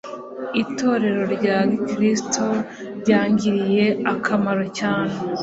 Itorero rya gikristo ryangiriye akamaro cyane.